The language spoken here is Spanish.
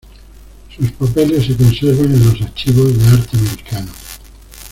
Sus papeles se conservan en los Archivos de Arte Americano.